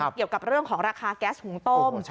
เกี่ยวกับเรื่องของราคาแก๊สหุงต้ม